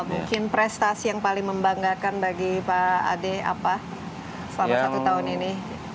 mungkin prestasi yang paling membanggakan bagi pak ade apa selama satu tahun ini